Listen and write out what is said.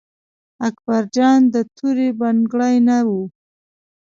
اکبر جان د تورې بنګړي نه و.